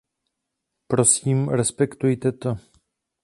Prosím, respektujte to.